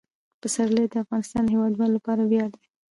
پسرلی د افغانستان د هیوادوالو لپاره ویاړ دی.